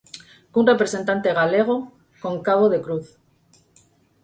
Cun representante galego, con Cabo de Cruz.